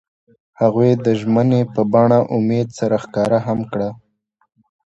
هغوی د ژمنې په بڼه امید سره ښکاره هم کړه.